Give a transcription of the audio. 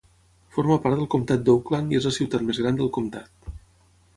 Forma part del Comtat d'Oakland i és la ciutat més gran del comtat.